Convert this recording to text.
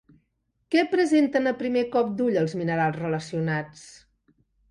Què presenten a primer cop d'ull els minerals relacionats?